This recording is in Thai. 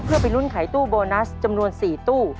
เพื่อไปลุ้นไขตู้โบนัสจำนวน๔ตู้